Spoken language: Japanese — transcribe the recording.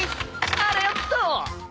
あらよっと！